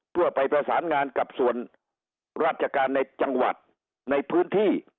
เพื่อไปประสานงานกับส่วนราชการในจังหวัดในพื้นที่